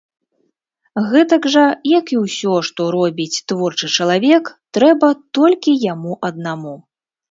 Гэтак жа, як і ўсё, што робіць творчы чалавек, трэба толькі яму аднаму.